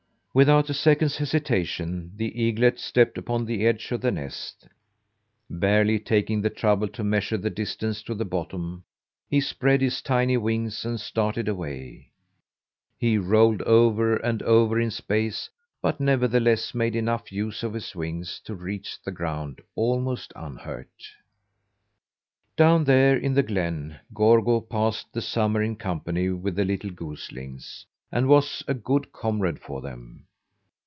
Without a second's hesitation the eaglet stepped upon the edge of the nest. Barely taking the trouble to measure the distance to the bottom, he spread his tiny wings and started away. He rolled over and over in space, but nevertheless made enough use of his wings to reach the ground almost unhurt. Down there in the glen Gorgo passed the summer in company with the little goslings, and was a good comrade for them.